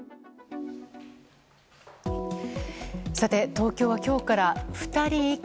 東京は今日から２人以下